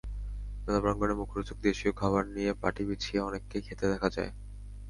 মেলা প্রাঙ্গণে মুখরোচক দেশীয় খাবার নিয়ে পাটি বিছিয়ে অনেককে খেতে দেখা যায়।